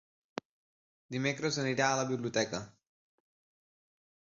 Dimecres anirà a la biblioteca.